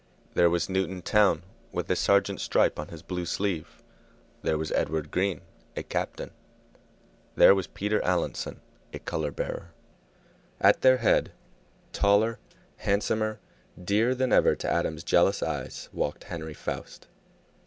There was Newton Towne, with a sergeant's stripe on his blue sleeve; there was Edward Green, a captain; there was Peter Allinson, a color bearer. At their head, taller, handsomer, dearer than ever to Adam's jealous eyes, walked Henry Foust.